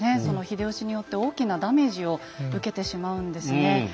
その秀吉によって大きなダメージを受けてしまうんですね。